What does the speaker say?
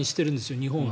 日本は。